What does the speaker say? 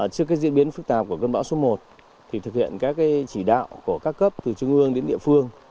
trước cái diễn biến phức tạp của cơn bão số một thì thực hiện các chỉ đạo của các cấp từ trung ương đến địa phương